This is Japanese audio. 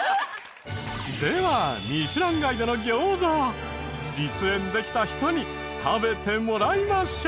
では『ミシュランガイド』の餃子実演できた人に食べてもらいましょう！